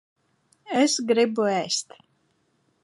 Es gribu ēst.